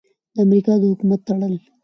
د امریکا د حکومت تړل: